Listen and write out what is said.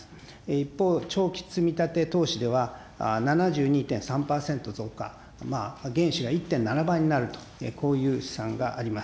一方、長期積み立て投資では、７２．３％増加、まあ原資が１．７倍になるという、こういう試算があります。